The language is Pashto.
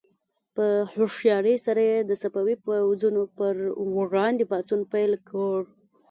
په هوښیارۍ سره یې د صفوي پوځونو پر وړاندې پاڅون پیل کړ.